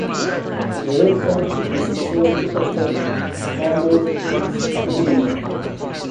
Later, the society offered Humboldt stipends.